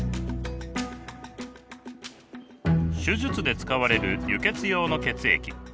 手術で使われる輸血用の血液。